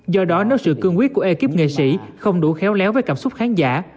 do đó nếu sự cương quyết của ekip nghệ sĩ không đủ khéo léo với cảm xúc khán giả